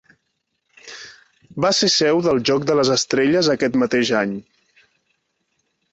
Va ser seu del Joc de les Estrelles aquest mateix any.